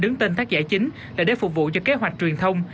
đứng tên tác giả chính là để phục vụ cho kế hoạch truyền thông